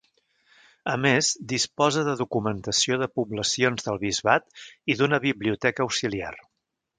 A més, disposa de documentació de poblacions del bisbat i d'una biblioteca auxiliar.